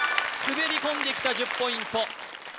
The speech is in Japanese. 滑り込んできた１０ポイント